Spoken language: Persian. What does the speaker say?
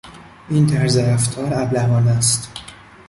این طرز رفتار ابلهانه است!